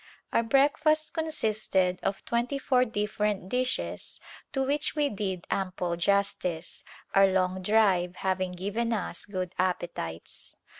Our breakfast consisted of twenty four differ ent dishes to which we did ample justice, our long drive having given us good appetites.